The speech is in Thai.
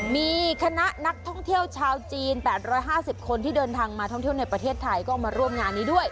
มีคณะนักท่องเที่ยวชาวจีน๘๕๐คนที่เดินทางมาท่องเที่ยวในประเทศไทยก็มาร่วมงานนี้ด้วย